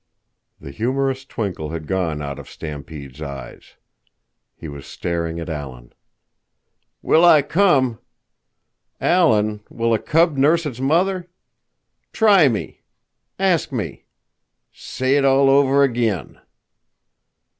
The humorous twinkle had gone out of Stampede's eyes. He was staring at Alan. "Will I come? Alan, will a cub nurse its mother? Try me. Ask me. Say it all over ag'in."